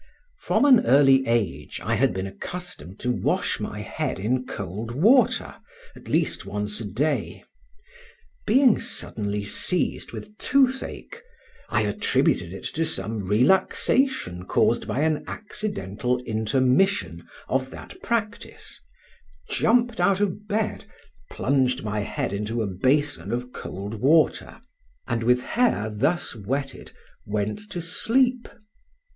From an early age I had been accustomed to wash my head in cold water at least once a day: being suddenly seized with toothache, I attributed it to some relaxation caused by an accidental intermission of that practice, jumped out of bed, plunged my head into a basin of cold water, and with hair thus wetted went to sleep.